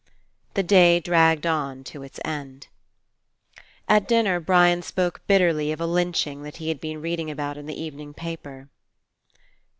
The day dragged on to its end. At dinner Brian spoke bitterly of a lynching that he had been reading about in the evening paper.